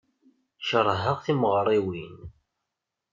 Keṛheɣ timeɣriwin.